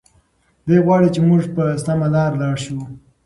دی غواړي چې موږ په سمه لاره لاړ شو.